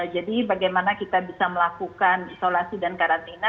jadi bagaimana kita bisa melakukan isolasi dan karantina